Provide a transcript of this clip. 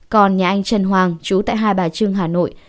còn nhà anh trần hoàng chú tại hai bà trưng hà nội